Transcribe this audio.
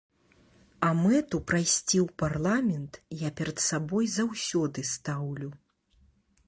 А мэту прайсці ў парламент я перад сабой заўсёды стаўлю.